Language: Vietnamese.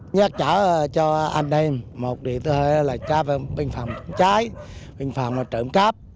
nhất trả cho an đêm một địa tư là trả bệnh phạm trái bệnh phạm trộm cắp